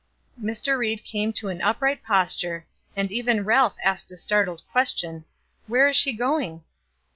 Mr. Ried came to an upright posture, and even Ralph asked a startled question: "Where is she going?"